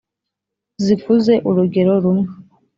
Zikuze urugero rumwe;